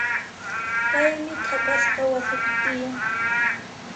Paymi t'aqasqa wasipi tiyan.